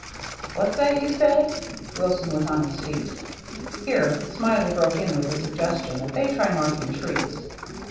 "What's that you said?" Wilson was on his feet. Here Smiley broke in with the suggestion that they try marking trees.